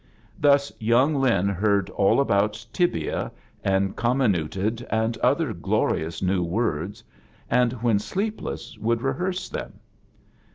Thus young Lin heard aU about tibia, and comminuted, and other glorious new words, and when sleepless would rehearse them.